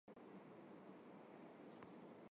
Նրանց միավորում է բարեգործական ճաշարանը և պարը։